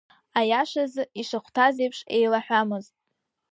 Аиашазы, ишахәҭаз еиԥш еилаҳәамызт…